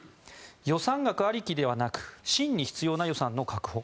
予算額ありきではなく真に必要な予算の確保